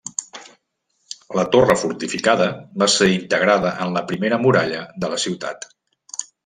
La torre fortificada va ser integrada en la primera muralla de la ciutat.